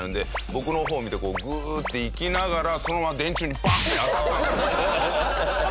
僕の方を見てグー！って行きながらそのまま電柱にバンッて当たったんです。